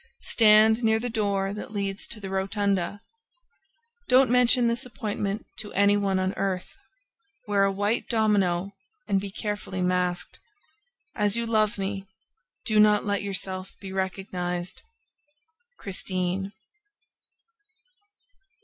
Stand near the door that leads to the Rotunda. Don't mention this appointment to any one on earth. Wear a white domino and be carefully masked. As you love me, do not let yourself be recognized. CHRISTINE.